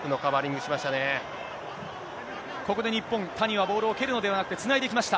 ここで日本、谷はボールを蹴るのではなくて、つないでいきました。